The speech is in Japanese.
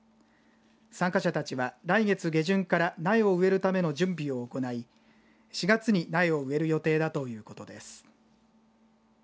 参加者たちは来月下旬から苗を植えるための準備を行い４月に苗を植える予定だということです。